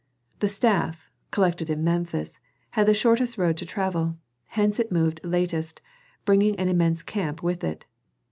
The staff, collected in Memphis, had the shortest road to travel; hence it moved latest, bringing an immense camp with it.